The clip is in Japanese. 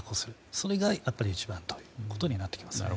それが一番ということにはなってきますね。